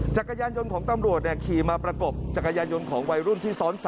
จักรยานยนต์ของตำรวจขี่มาประกบจักรยานยนต์ของวัยรุ่นที่ซ้อน๓